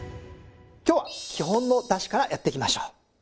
今日は基本のだしからやっていきましょう！